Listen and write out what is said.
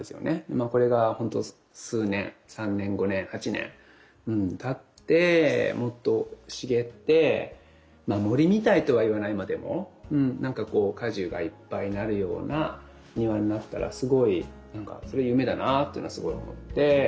まあこれがほんと数年３年５年８年たってもっと茂って森みたいとは言わないまでもなんかこう果樹がいっぱいなるような庭になったらすごいなんかそれ夢だなってのはすごい思って。